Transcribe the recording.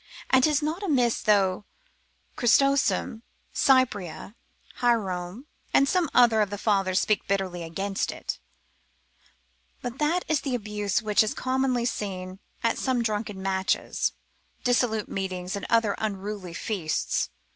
And 'tis not amiss, though Chrysostom, Cyprian, Hierome, and some other of the fathers speak bitterly against it: but that is the abuse which is commonly seen at some drunken matches, dissolute meetings, or great unruly feasts.